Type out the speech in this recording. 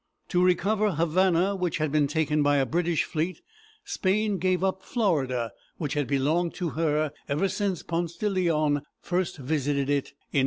To recover Havana, which had been taken by a British fleet, Spain gave up Florida, which had belonged to her ever since Ponce de Leon first visited it in 1512.